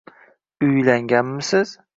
Uylanganmisiz?